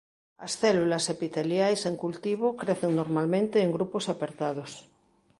As células epiteliais en cultivo crecen normalmente en grupos apertados.